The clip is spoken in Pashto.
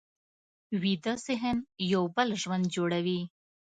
ویده ذهن یو بل ژوند جوړوي